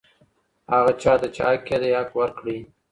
هغه چا ته چي حق یې دی حق ورکړئ.